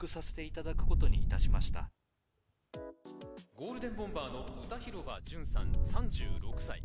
ゴールデンボンバーの歌広場淳さん、３６歳。